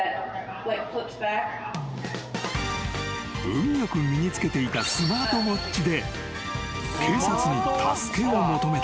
［運よく身につけていたスマートウオッチで警察に助けを求めた］